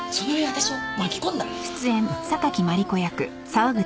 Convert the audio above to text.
私を巻き込んだ。